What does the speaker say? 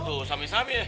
tuh sami sami ya